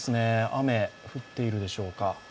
雨、降っているでしょうか。